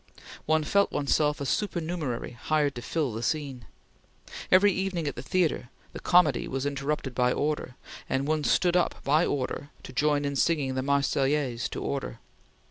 One felt one's self a supernumerary hired to fill the scene. Every evening at the theatre the comedy was interrupted by order, and one stood up by order, to join in singing the Marseillaise to order.